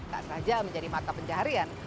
tak saja menjadi mata pencaharian